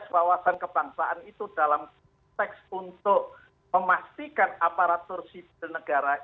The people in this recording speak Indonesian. wawasan kebangsaan itu dalam teks untuk memastikan aparatur sipil negara